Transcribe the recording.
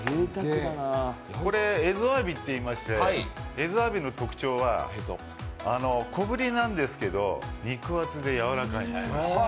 これ、蝦夷あわびといいまして、特徴は小ぶりなんですけど、肉厚でやわらかいんです。